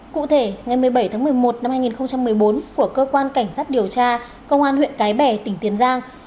cụ thể ngày một mươi bảy tháng một mươi một năm hai nghìn một mươi bốn của cơ quan cảnh sát điều tra công an huyện cái bè tỉnh tiền giang